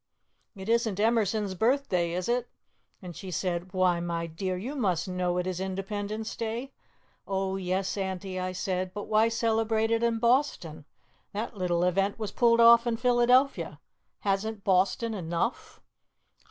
It isn't Emerson's birthday, is it?' and she said, 'Why, my dear, you must know it is Independence Day.' 'Oh, yes, Auntie,' I said, 'but why celebrate it in Boston? That little event was pulled off in Philadelphia. Hasn't Boston enough?